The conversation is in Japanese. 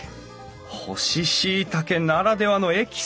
干ししいたけならではのエキス！